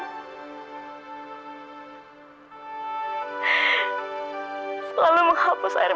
papa selalu menemani aku saat aku senang